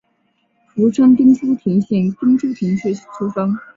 福山町秋田县秋田市出生。